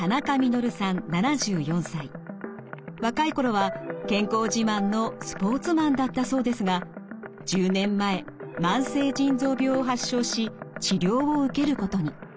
若い頃は健康自慢のスポーツマンだったそうですが１０年前慢性腎臓病を発症し治療を受けることに。